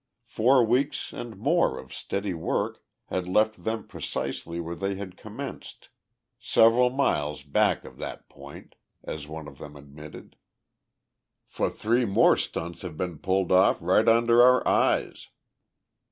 Four weeks and more of steady work had left them precisely where they had commenced "several miles back of that point," as one of them admitted, "for three more stunts have been pulled off right under our eyes."